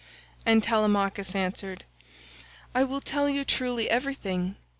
And Telemachus answered, "I will tell you truly everything.